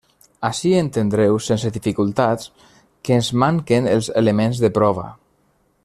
Ací entendreu sense dificultats que ens manquen els elements de prova.